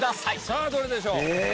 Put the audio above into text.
さあどれでしょう？え？